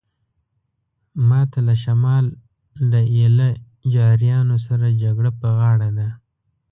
ماته له شمال له ایله جاریانو سره جګړه په غاړه ده.